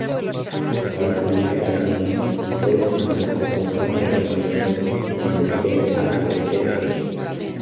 Para su viaje a Alemania fue designado como camarero mayor el duque de Alburquerque.